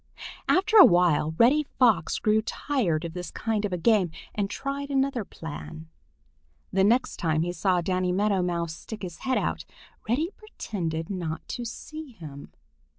After a while Reddy Fox grew tired of this kind of a game and tried another plan. The next time he saw Danny Meadow Mouse stick his head out, Reddy pretended not to see him.